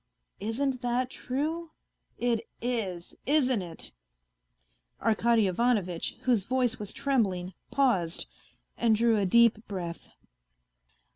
... Isn't that true ? It is, isn't it ?" Arkady Ivanovitch, whose voice was trembling, paused, and drew a deep breath.